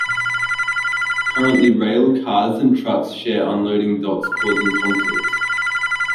Currently, rail cars and trucks share unloading docks, causing conflicts.